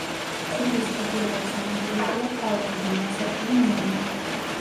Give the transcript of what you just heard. ყურის ჩრდილოეთ სანაპიროზეა ქალაქი და ნავსადგური ნომი.